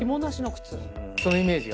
そのイメージが。